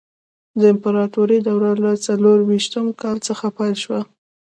د امپراتورۍ دوره له څلور ویشتم کال څخه پیل شوه.